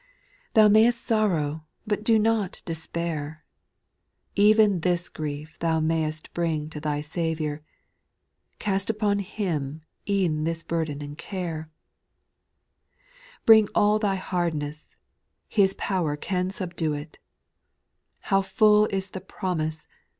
thou may'st sorrow, but do not despair: Even this grief thou may'st bring to thy Saviour ; Cast upon Him e'en this burden and care I / 8.// Bring all thy hardness ; His pow'r can sub due it : How full is the promise